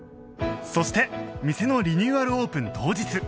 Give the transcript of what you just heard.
そして店のリニューアルオープン当日